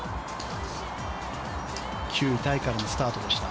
９位タイからのスタートでした。